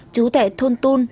chú tệ thôn tôn